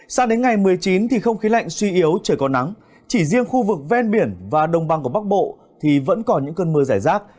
sao đến ngày một mươi chín thì không khí lạnh suy yếu trời có nắng chỉ riêng khu vực ven biển và đồng băng của bắc bộ thì vẫn còn những cơn mưa giải rác